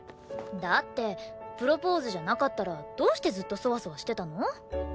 だってプロポーズじゃなかったらどうしてずっとソワソワしてたの？